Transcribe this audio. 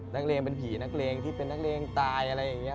นักเรียนเป็นผีนักเลงที่เป็นนักเลงตายอะไรอย่างนี้